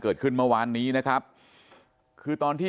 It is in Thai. อุ้มขึ้นมาจากแม่น้ำนาฬนะฮะ